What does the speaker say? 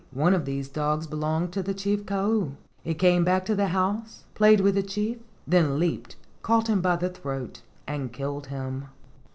One of these dogs belonged to the chief Kou. It came back to the house, played with the chief, then leaped, caught him by the throat and killed him.